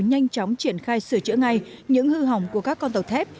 nhanh chóng triển khai sửa chữa ngay những hư hỏng của các con tàu thép